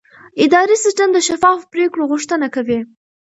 اداري سیستم د شفافو پریکړو غوښتنه کوي.